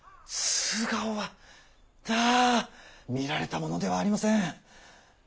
素顔はあ見られたものではありません。